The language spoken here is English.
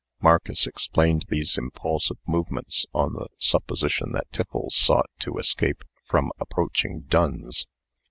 Marcus explained these impulsive movements on the supposition that Tiffles sought to escape from approaching duns.